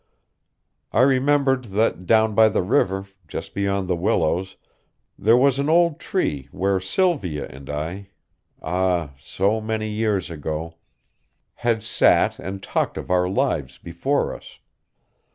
I remembered that down by the river, just beyond the willows, there was an old tree where Sylvia and I ah, so many years ago! had sat and talked of our lives before us.